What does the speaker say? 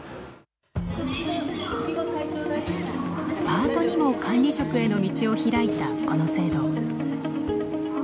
パートにも管理職への道を開いたこの制度。